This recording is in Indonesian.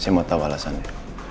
saya mau tahu alasannya